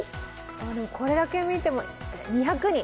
これだけ見ても２００人！